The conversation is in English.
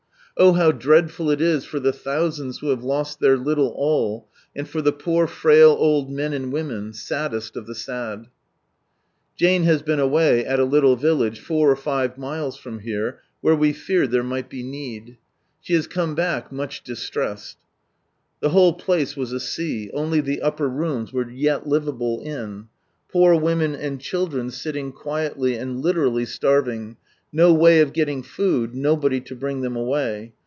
Oh, how dreadful it is for the thousands who have lost their little all, and for the ])Oor frail old men and women — saddest of the sad ! Jane has been away at a little village four or Ave miles from here, where we feared there might be need. She has come back much distressed. The whole From Sunrise "Lar place was a sea; only Ihe upper rooms were yet livable in. Poor women and children sitting quietly and literally starving ; no way of getting food ; nobody to bring them away.